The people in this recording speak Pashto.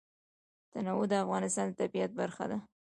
تنوع د افغانستان د طبیعت برخه ده.